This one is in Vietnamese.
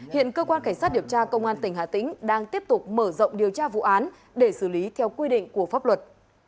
hiện cơ quan cảnh sát điều tra công an tỉnh hà tĩnh đang tiếp tục mở rộng điều tra vụ án để xử lý theo quy định của pháp luật